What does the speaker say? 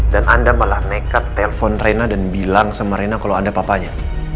dan anda malah nekat telfon reina dan bilang sama reina kalau anda papanya